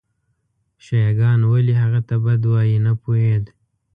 شیعه ګان ولې هغه ته بد وایي نه پوهېد.